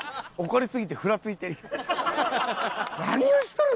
何をしとる？